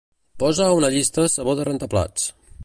Posa a una llista sabó de rentaplats.